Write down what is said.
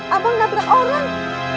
abang gak ada orang